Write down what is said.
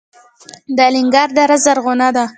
د الینګار دره زرغونه ده